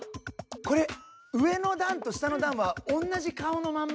これ上の段と下の段はおんなじ顔のまんま？